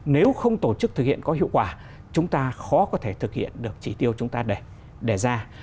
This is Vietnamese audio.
nếu không tổ chức thực hiện có hiệu quả chúng ta khó có thể thực hiện được chỉ tiêu chúng ta để ra